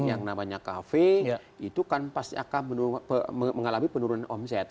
yang namanya kafe itu kan pasti akan mengalami penurunan omset